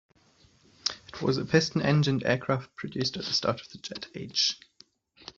It was a piston engined aircraft produced at the start of the jet age.